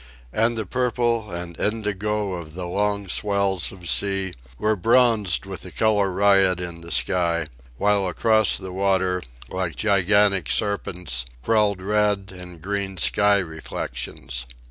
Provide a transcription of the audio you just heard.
And the purple and indigo of the long swells of sea were bronzed with the colour riot in the sky, while across the water, like gigantic serpents, crawled red and green sky reflections.